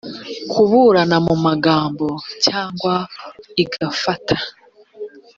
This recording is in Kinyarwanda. kuburana mu magambo cyangwa igafata